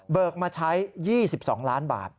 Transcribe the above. เบิกมาใช้๒๒ล้านบาท